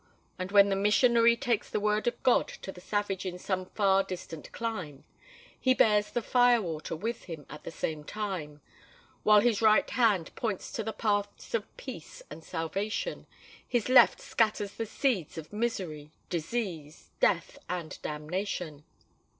For when the missionary takes the Word of God to the savage in some far distant clime, he bears the fire water with him at the same time. While his right hand points to the paths of peace and salvation, his left scatters the seeds of misery, disease, death, and damnation!